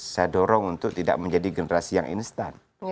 saya dorong untuk tidak menjadi generasi yang instan